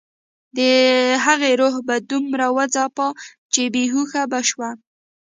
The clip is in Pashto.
د هغې روح به دومره وځاپه چې بې هوښه به شوه